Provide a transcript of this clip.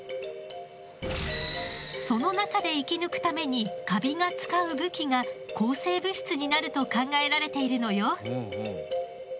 その中で生き抜くためにカビが使う武器が抗生物質になると考えられているのよ。